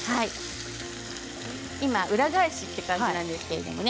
今、裏返しという感じなんですけれどもね。